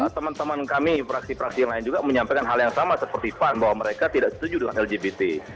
teman teman kami fraksi fraksi yang lain juga menyampaikan hal yang sama seperti pan bahwa mereka tidak setuju dengan lgbt